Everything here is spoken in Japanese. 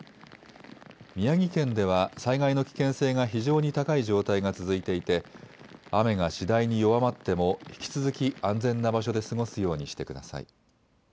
宮城県では災害の危険性が非常に高い状態が続いていて雨が次第に弱まっても引き続き安全な場所で過ごすようにしてください。